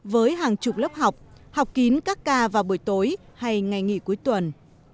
với hàng chục lớp học học kín các ca vào buổi tối hay ngày nghỉ cuối tuần